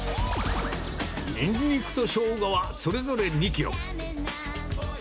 ニンニクとしょうがは、それぞれ２キロ。